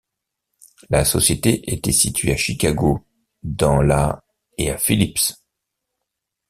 La société était située à Chicago dans la et à Phillips.